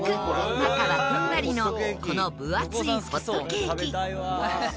中はふんわりのこの分厚いホットケーキ。